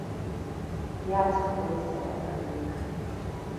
Játszható szereplők